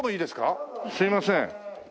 すいません。